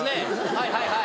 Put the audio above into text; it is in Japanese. はいはいはい！